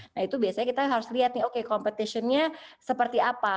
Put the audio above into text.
nah itu biasanya kita harus lihat nih oke competition nya seperti apa